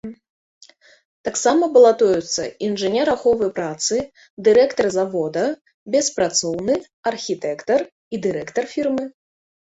Таксама балатуюцца інжынер аховы працы, дырэктар завода, беспрацоўны, архітэктар і дырэктар фірмы.